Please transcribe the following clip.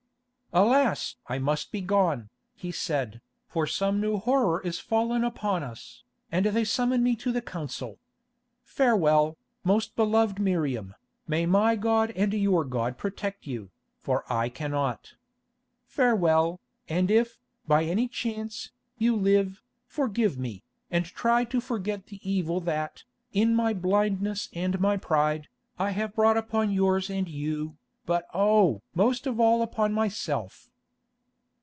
"Alas! I must begone," he said, "for some new horror is fallen upon us, and they summon me to the council. Farewell, most beloved Miriam, may my God and your God protect you, for I cannot. Farewell, and if, by any chance, you live, forgive me, and try to forget the evil that, in my blindness and my pride, I have brought upon yours and you, but oh! most of all upon myself."